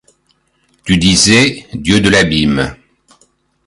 Tu disais : Dieu de l'abîme !